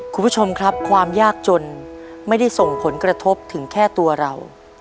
คุณผู้ชมครับความยากจนไม่ได้ส่งผลกระทบถึงแค่ตัวเรา